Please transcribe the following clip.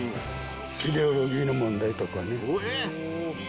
イデオロギーの問題とかね。